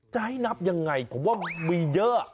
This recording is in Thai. จะให้นับยังไงผมว่ามีเยอะ